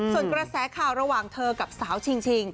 ส่วนกระแสข่าวระหว่างเธอกับสาวชิง